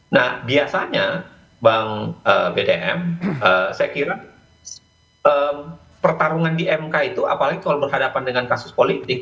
nah biasanya bang bdm saya kira pertarungan di mk itu apalagi kalau berhadapan dengan kasus politik